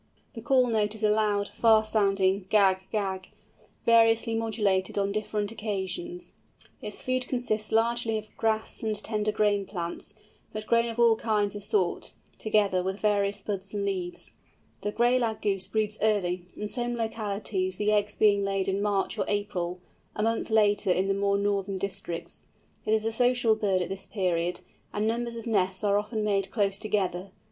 The call note is a loud, far sounding gag gag, variously modulated on different occasions. Its food consists largely of grass and tender grain plants, but grain of all kinds is sought, together with various buds and leaves. The Gray Lag Goose breeds early, in some localities the eggs being laid in March or April, a month later in the more northern districts. It is a social bird at this period, and numbers of nests are often made close together.